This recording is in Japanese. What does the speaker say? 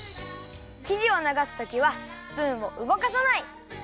きじをながすときはスプーンをうごかさない！